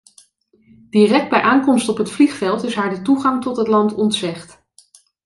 Direct bij aankomst op het vliegveld is haar de toegang tot het land ontzegd.